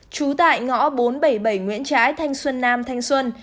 trú tại ngõ bốn trăm bảy mươi bảy nguyễn trãi thanh xuân nam thanh xuân